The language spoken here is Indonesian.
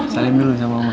salam dulu sama oma